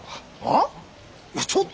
あっ？